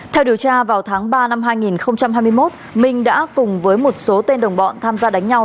theo điều tra vào tháng ba năm hai nghìn hai mươi một minh đã cùng với một số tên đồng bọn tham gia đánh nhau